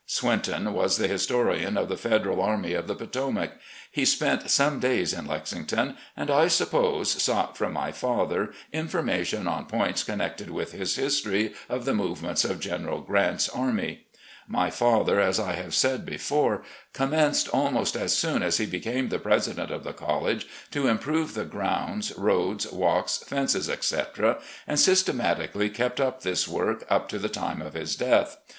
Swinton was the historian of the Federal Army of the Potomac. He spent some days in Lexington, and, I suppose, sought from my father information on points connected with his history of the movements of General Chant's army. My father, as I have said before, commenced almost as soon as he became the president of the college to im prove the grounds, roads, walks, fences, etc., and syste matically kept up this work up to the time of his death.